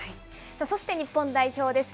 そして日本代表です。